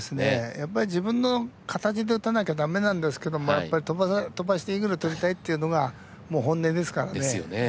やっぱり自分の形で打たなきゃだめなんですけどもやっぱり飛ばしてイーグル取りたいっていうのが本音ですからね。ですよねぇ。